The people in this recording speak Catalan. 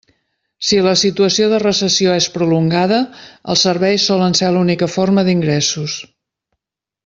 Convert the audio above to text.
Si la situació de recessió és prolongada, els serveis solen ser l'única forma d'ingressos.